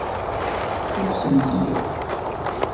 Ad k-tent-yefk?